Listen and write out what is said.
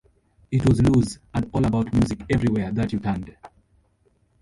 It was loose and all about music everywhere that you turned.